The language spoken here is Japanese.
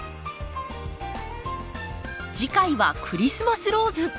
次回はクリスマスローズ。